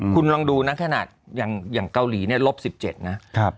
คุณลองดูนะขนาดอย่างเกาหลีเนี่ยลบ๑๗นะ